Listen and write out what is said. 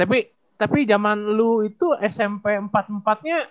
eh tapi jaman lo itu smp empat empat nya